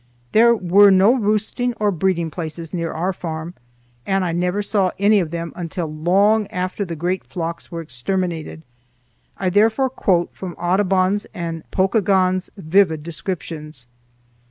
There were no roosting or breeding places near our farm, and I never saw any of them until long after the great flocks were exterminated. I therefore quote, from Audubon's and Pokagon's vivid descriptions.